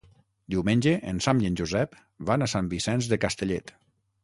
Diumenge en Sam i en Josep van a Sant Vicenç de Castellet.